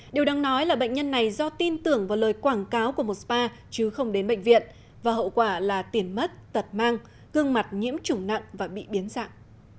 điều đáng nói là bệnh nhân này do tin tưởng vào lời quảng cáo của một spa chứ không đến bệnh viện và hậu quả là tiền mất tật mang gương mặt nhiễm chủng nặng và bị biến dạng